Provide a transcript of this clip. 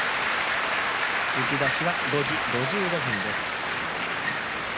打ち出しは５時５５分です。